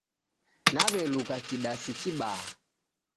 Naw'elukakidasi kibaha.